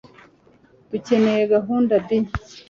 dukeneye gahunda b